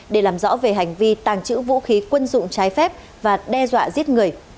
để làm rõ về hành vi tàng trữ vũ khí quân dụng trái phép và đe dọa giết người